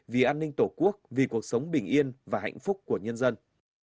vì an ninh tổ quốc vì cuộc sống bình yên và hạnh phúc của nhân dân